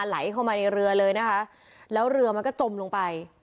ไหลเข้ามาในเรือเลยนะคะแล้วเรือมันก็จมลงไป